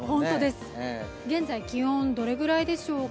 現在気温どのぐらいでしょうか。